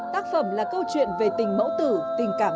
tác phẩm là câu chuyện về tình mẫu tử tình cảm